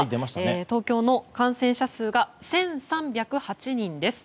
東京都の感染者数は１３０８人です。